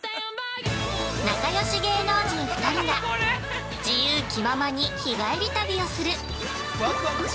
◆仲良し芸能人２人が自由気ままに日帰り旅をする。